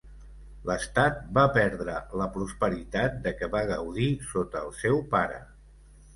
L'estat va perdre la prosperitat de què va gaudir sota el seu pare.